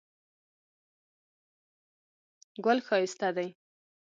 ګل ښایسته دی.